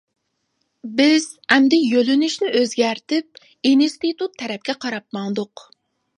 بىز ئەمدى يۆنىلىشنى ئۆزگەرتىپ ئىنستىتۇت تەرەپكە قاراپ ماڭدۇق.